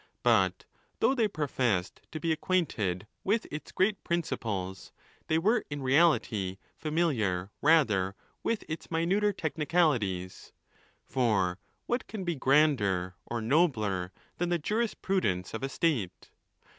But though they professed to be acquainted with its great princi ples, they were in reality familiar rather with its minuter technicalities. For what can be grander or nobler than the jurisprudence of a state?